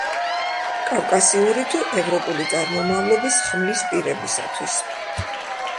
კავკასიური თუ ევროპული წარმომავლობის ხმლის პირებისათვის.